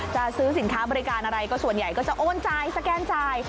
จะซื้อสินค้าบริการอะไรก็ส่วนใหญ่ก็จะโอนจ่ายสแกนจ่าย